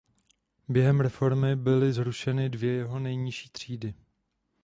Během reformy byly zrušeny dvě jeho nejnižší třídy.